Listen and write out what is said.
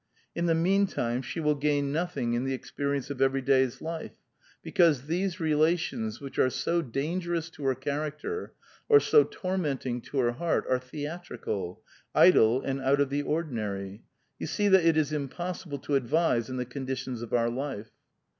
In the mean time, she will gain nothing in the experience of every day's life, because these relations which are so dangerous to her character or so tormenting to her heart are theatrical, idle, and out of the ordinary. You see that it is impossible to advise in the conditions of our life."